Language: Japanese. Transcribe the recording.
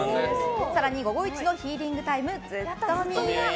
更に午後一のヒーリングタイムずっとみ。